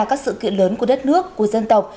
các sự kiện lớn của đất nước của dân tộc